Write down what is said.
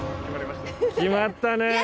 決まったね。